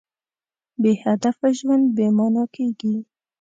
بېهدفه ژوند بېمانا کېږي.